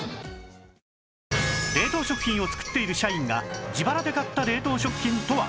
冷凍食品を作っている写真が自腹で買った冷凍食品とは？